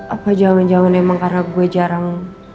apa jangan jangan emang karena gue jarang